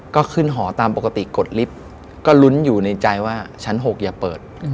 ก็ขึ้นหอตามปกติกดลิฟต์ก็ลุ้นอยู่ในใจว่าชั้น๖อย่าเปิด